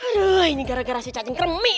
aduh ini gara gara si cacing kremi